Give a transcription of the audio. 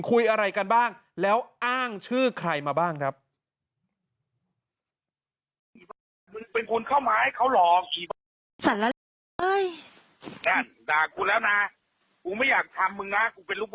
คุยอะไรกันบ้างแล้วอ้างชื่อใครมาบ้างครับ